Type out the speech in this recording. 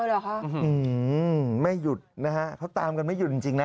เหรอคะไม่หยุดนะฮะเขาตามกันไม่หยุดจริงนะ